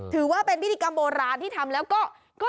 ถือว่าเป็นพิธีกรรมโบราณที่ทำแล้วก็